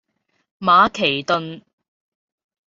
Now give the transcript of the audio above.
馬其頓